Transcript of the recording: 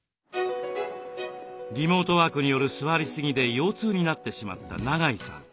リモートワークによる座りすぎで腰痛になってしまった長井さん。